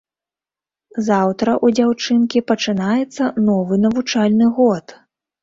Заўтра ў дзяўчынкі пачынаецца новы навучальны год.